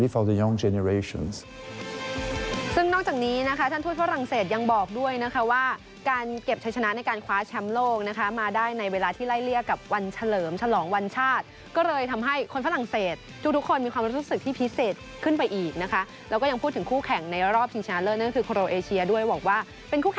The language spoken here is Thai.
และทำงานที่ดีและคิดว่ามันเป็นเรื่องที่ดีที่ต้องเรียนรู้ส่วนใหญ่ของชาวเก็บ